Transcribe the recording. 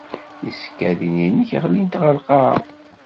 Tisekkadin-nnek ɣlint ɣer lqaɛa.